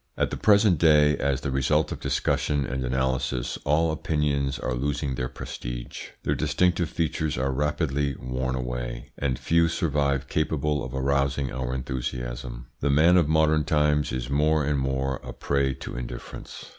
At the present day, as the result of discussion and analysis, all opinions are losing their prestige; their distinctive features are rapidly worn away, and few survive capable of arousing our enthusiasm. The man of modern times is more and more a prey to indifference.